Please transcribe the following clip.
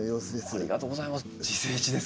ありがとうございます。